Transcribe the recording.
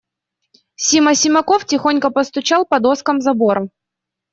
Сима Симаков тихонько постучал по доскам забора.